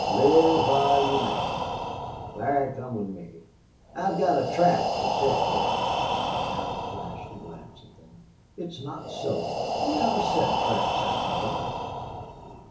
Live while you may!... Larry, come with me. I've got a trap to set yit." Allie flashed a glance at them. "It's not so. You never set traps after dark."